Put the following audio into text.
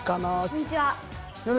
こんにちは。